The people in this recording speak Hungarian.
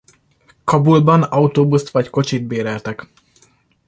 Kabulban autóbuszt vagy kocsit béreltek.